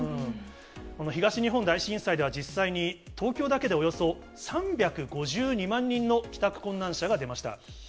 東日本大震災では、実際に東京だけでおよそ３５２万人の帰宅困難者が出ました。